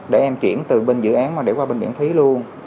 để em chuyển từ bên dự án mà để qua bên miễn phí luôn